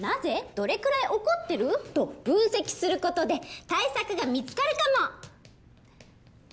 「どれくらい怒ってる？」と分析することで対策が見つかるかも！